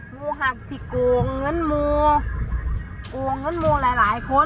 งูหักสิโกงเงินมูโกงเงินมูหลายหลายคน